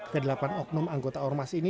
kedelapan oknum anggota ormas ini